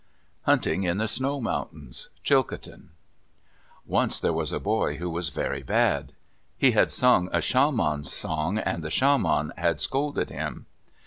HUNTING IN THE SNOW MOUNTAINS Chilcotin Once there was a boy who was very bad. He had sung a shaman's song, and the shaman had scolded him.